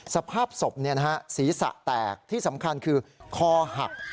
สภาพศพศีรษะแตกที่สำคัญคือคอหัก